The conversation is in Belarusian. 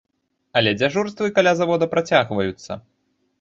Але дзяжурствы каля завода працягваюцца.